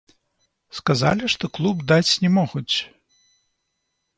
Сказалі, што клуб даць не могуць.